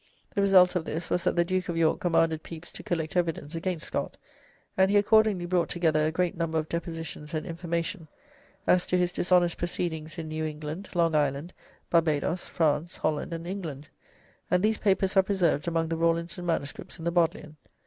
The result of this was that the Duke of York commanded Pepys to collect evidence against Scott, and he accordingly brought together a great number of depositions and information as to his dishonest proceedings in New England, Long Island, Barbadoes, France, Holland, and England, and these papers are preserved among the Rawlinson Manuscripts in the Bodleian.